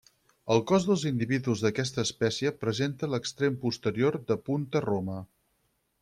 El cos dels individus d'aquesta espècie presenta l'extrem posterior de punta roma.